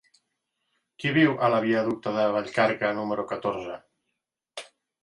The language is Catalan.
Qui viu a la viaducte de Vallcarca número catorze?